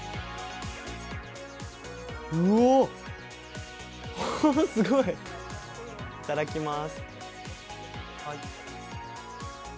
うわっ、すごい、いただきます。